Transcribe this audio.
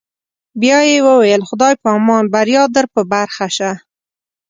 بیا یې وویل: خدای په امان، بریا در په برخه شه.